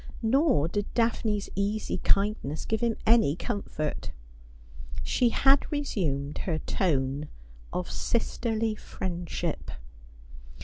Xordid Daphne's easy kindness give him any comfort. She had resumed her tone of sisterly friendship.